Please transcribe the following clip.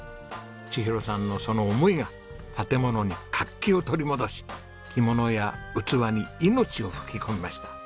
千尋さんのその思いが建物に活気を取り戻し着物や器に命を吹き込みました。